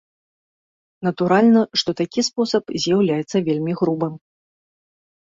Натуральна, што такі спосаб з'яўляецца вельмі грубым.